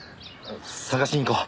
捜しに行こう。